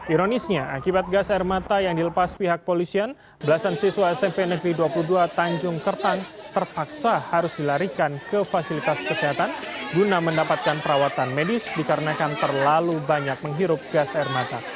ironisnya akibat gas air mata yang dilepas pihak polisian belasan siswa smp negeri dua puluh dua tanjung kertang terpaksa harus dilarikan ke fasilitas kesehatan guna mendapatkan perawatan medis dikarenakan terlalu banyak menghirup gas air mata